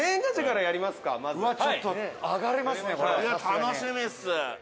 「楽しみっす」